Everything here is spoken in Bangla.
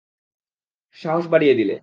সাহস বাড়িয়ে দিলে।